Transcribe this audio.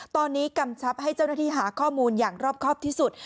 ตอนนี้กำชับให้เจ้าหน้าที่หาข้อมูลอย่างรอบครอบที่สุด